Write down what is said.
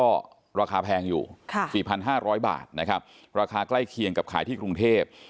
ก็ถือว่าราคาแพงอยู่๔๕๐๐บาทราคาใกล้เคียงกับขายที่กรุงเทพฯ